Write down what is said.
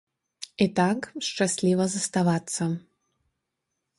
І так, шчасліва заставацца.